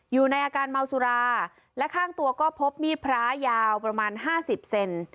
อยู่ในอาการเมาสุราและข้างตัวก็พบมีดพระยาวประมาณห้าสิบเซน